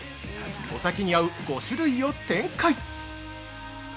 お酒に合う５種類を展開！